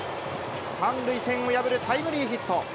３塁線を破るタイムリーヒット。